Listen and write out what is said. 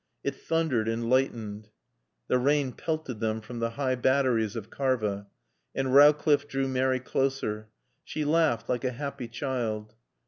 It thundered and lightened. The rain pelted them from the high batteries of Karva. And Rowcliffe drew Mary closer. She laughed like a happy child.